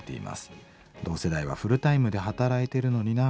同世代はフルタイムで働いているのになと思います。